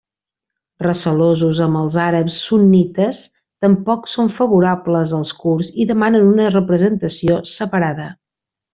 Recelosos amb els àrabs sunnites, tampoc són favorables als kurds i demanen una representació separada.